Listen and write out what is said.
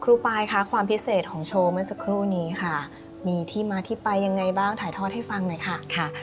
ปายค่ะความพิเศษของโชว์เมื่อสักครู่นี้ค่ะมีที่มาที่ไปยังไงบ้างถ่ายทอดให้ฟังหน่อยค่ะ